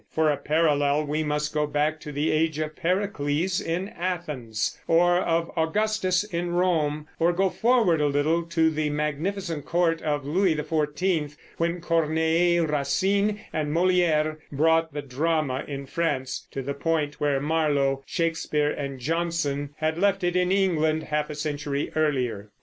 For a parallel we must go back to the Age of Pericles in Athens, or of Augustus in Rome, or go forward a little to the magnificent court of Louis XIV, when Corneille, Racine, and Molière brought the drama in France to the point where Marlowe, Shakespeare, and Jonson had left it in England half a century earlier.